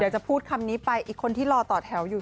จะพูดคำนี้ไปอีกคนที่รอต่อแถวอยู่